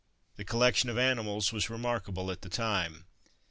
The collection of animals was remarkable at that time.